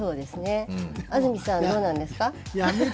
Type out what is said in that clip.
安住さん、どうなんですか？